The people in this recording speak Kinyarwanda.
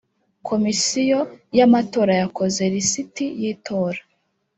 Komisiyo y’amatora yakoze lisiti y’itora